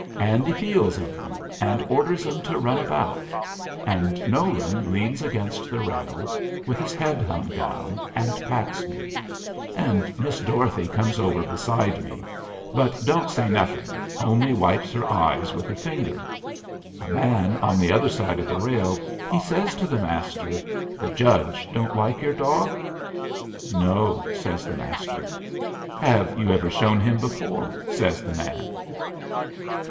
And he feels of 'em, and orders 'em to run about. And Nolan leans against the rails, with his head hung down, and pats me. And Miss Dorothy comes over beside him, but don't say nothing, only wipes her eye with her finger. A man on the other side of the rail he says to the Master, "The judge don't like your dog?" "No," says the Master. "Have you ever shown him before?" says the man.